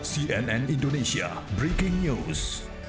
cnn indonesia breaking news